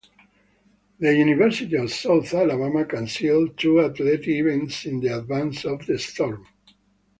The University of South Alabama canceled two athletic events in advance of the storm.